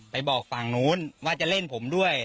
ไปบอกฝั่งนู้นว่าจะเล่นผมด้วย